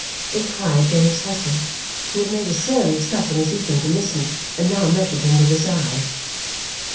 inquired Jenny's husband, who had made a surly stop in his eating to listen and now measured him with his eye.